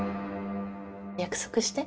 約束して。